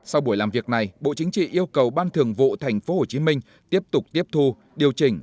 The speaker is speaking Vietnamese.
sau buổi làm việc này bộ chính trị yêu cầu ban thường vụ thành phố hồ chí minh tiếp tục tiếp thu điều chỉnh